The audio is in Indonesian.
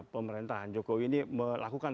pemerintahan jokowi ini melakukan